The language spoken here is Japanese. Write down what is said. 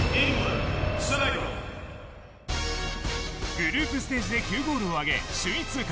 グループステージで９ゴールを挙げ首位通過。